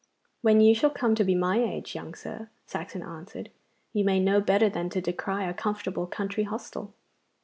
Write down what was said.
'When you shall come to be my age, young sir,' Saxon answered, 'you may know better than to decry a comfortable country hostel.